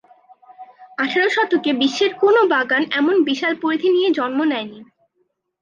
আঠারো শতকে বিশ্বের কোনও বাগান এমন বিশাল পরিধি নিয়ে জন্ম নেয়নি।